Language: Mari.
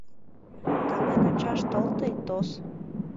Тамлен ончаш тол тый, тос!